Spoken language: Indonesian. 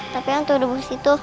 tapi hantu debus itu